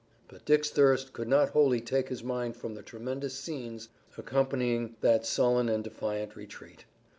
But Dick's thirst could not wholly take his mind from the tremendous scenes accompanying that sullen and defiant retreat.